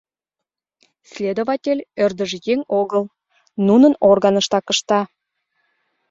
Следователь ӧрдыжъеҥ огыл, нунын органыштак ышта.